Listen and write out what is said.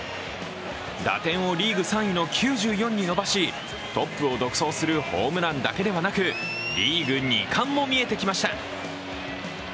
打点をリーグ３位の９４に伸ばしトップを独走するホームランだけではなくリーグ２冠も見えてきました。